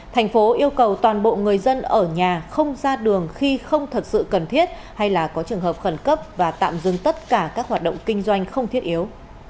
thành phố yêu cầu toàn bộ người dân ở nhà không ra đường khi không thật sự cần thiết hay là có trường hợp khẩn cấp và tạm dừng tất cả các hoạt động kinh doanh không thiết yếu